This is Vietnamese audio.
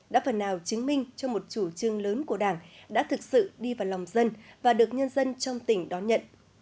đã phần nào chứng minh cho một chủ trương lớn của đảng đã thực sự đi vào lòng dân và được nhân dân trong tỉnh đón nhận